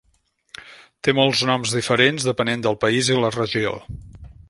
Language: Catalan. Té molts noms diferents depenent del país i la regió.